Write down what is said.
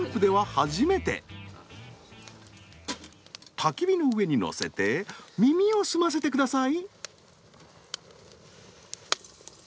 たき火の上に載せて耳を澄ませて下さい。